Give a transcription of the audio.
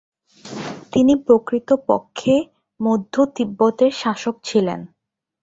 তিনি প্রকৃতপক্ষে মধ্য তিব্বতের শাসক ছিলেন।